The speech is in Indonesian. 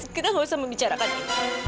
kita tidak usah membicarakannya